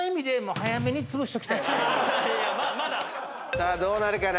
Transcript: さあどうなるかな？